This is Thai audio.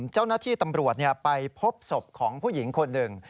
เจ้าหน้าที่ตำรวจไปพบศพของผู้หญิงคนหนึ่ง